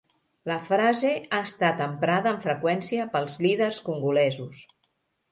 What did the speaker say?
La frase ha estat emprada amb freqüència pels líders congolesos.